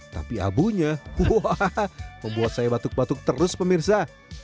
tapi abunya membuat saya batuk batuk terus pemirsa